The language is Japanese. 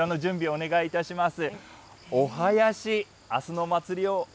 お願いいたします。